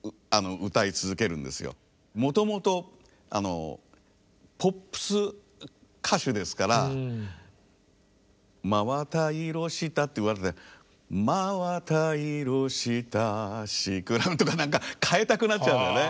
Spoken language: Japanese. もともとポップス歌手ですから「真綿色した」って言わないで「真綿色したシクラメン」とか何か変えたくなっちゃうんだよね。